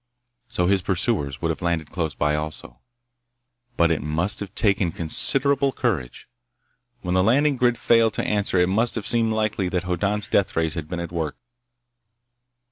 So his pursuers would have landed close by, also. But it must have taken considerable courage. When the landing grid failed to answer, it must have seemed likely that Hoddan's deathrays had been at work.